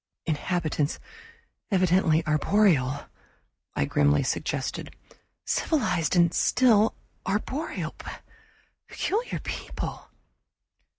"Inhabitants evidently arboreal," I grimly suggested. "Civilized and still arboreal peculiar people."